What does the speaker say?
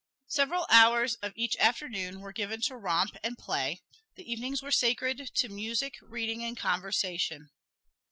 Several hours of each afternoon were given to romp and play; the evenings were sacred to music, reading and conversation.